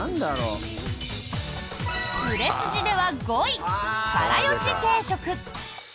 売れ筋では５位。から好し定食。